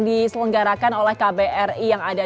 diselenggarakan oleh kbri yang ada